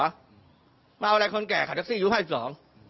มาเอาอะไรคนแก่ขับแท็กซี่ยุทธภัยสอง